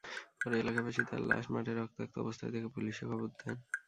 পরে এলাকাবাসী তার লাশ মাঠে রক্তাক্ত অবস্থায় দেখে পুলিশে খবর দেন।